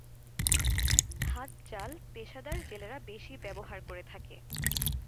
হাত জাল পেশাদার জেলেরা বেশি ব্যবহার করে থাকে।